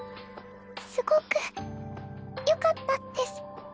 すごくよかったです。